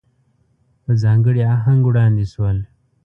په ځانګړي آهنګ وړاندې شول.